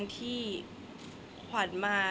คนรอบตัวขวัดไม่ได้